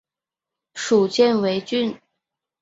属犍为郡。